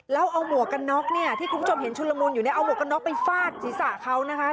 แล้วเอาหมวกกันน็อกเนี่ยที่คุณผู้ชมเห็นชุนละมุนอยู่เนี่ยเอาหมวกกันน็อกไปฟาดศีรษะเขานะคะ